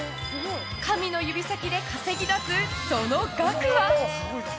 神の指先で稼ぎ出すその額は。